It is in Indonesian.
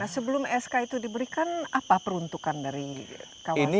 nah sebelum sk itu diberikan apa peruntukan dari kawasan ini